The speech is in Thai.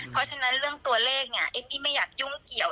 เพราะฉะนั้นเรื่องตัวเลขเนี่ยเอมมี่ไม่อยากยุ่งเกี่ยว